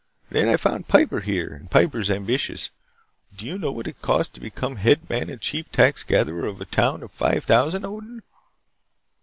Then I found Piper here. And Piper is ambitious. Do you know what it costs to become head man and chief tax gatherer of a town of five thousand, Odin?"